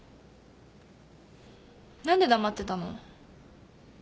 何で黙ってたの？